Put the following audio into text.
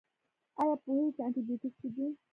ایا پوهیږئ چې انټي بیوټیک څه دي؟